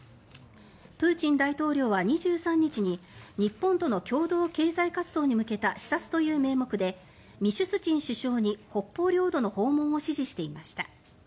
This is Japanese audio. プーチン大統領は２３日に日本との共同経済活動に向けた視察という名目でミシュスチン首相に北方領土の訪問を指示していました。